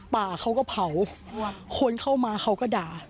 ป่าเขาก็เผาคนเข้ามาเขาก็ด่า